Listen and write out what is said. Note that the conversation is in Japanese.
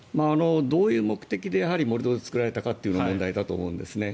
どういう目的で盛り土を作られたのかというのが問題だと思うんですね。